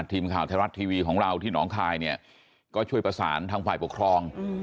ทีมข่าวไทยรัฐทีวีของเราที่หนองคายเนี่ยก็ช่วยประสานทางฝ่ายปกครอง